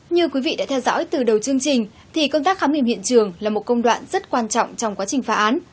như quý vị đã theo dõi từ đầu chương trình thì công tác khám nghiệm hiện trường là một công đoạn rất quan trọng trong quá trình phá án